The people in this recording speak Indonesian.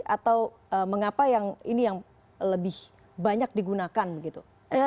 atau mengapa ini yang lebih banyak digunakan begitu